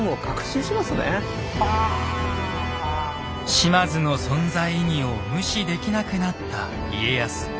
島津の存在意義を無視できなくなった家康。